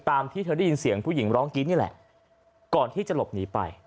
ที่เธอได้ยินเสียงผู้หญิงร้องกรี๊ดนี่แหละก่อนที่จะหลบหนีไป